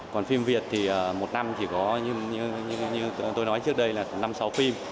còn phim việt thì một năm thì có như tôi nói trước đây là năm sáu phim